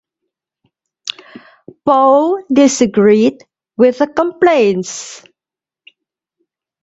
Poe disagreed with the complaints.